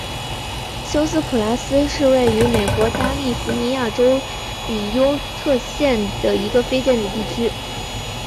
休斯普莱斯是位于美国加利福尼亚州比尤特县的一个非建制地区。